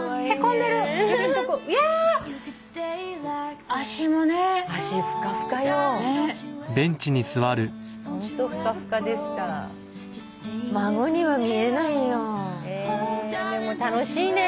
でも楽しいね。